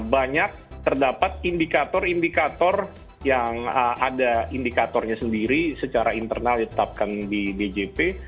banyak terdapat indikator indikator yang ada indikatornya sendiri secara internal ditetapkan di djp